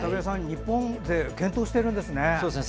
日本勢、健闘しているんですね。